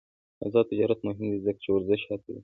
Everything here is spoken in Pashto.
آزاد تجارت مهم دی ځکه چې ورزش هڅوي.